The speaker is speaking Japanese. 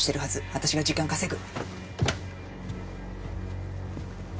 私が時間稼ぐ。